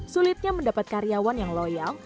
sulitnya mendapat karyawan yang loyal